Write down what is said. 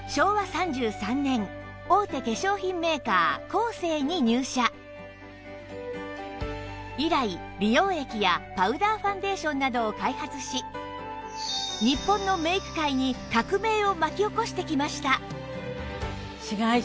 小林さんは以来美容液やパウダーファンデーションなどを開発し日本のメイク界に革命を巻き起こしてきました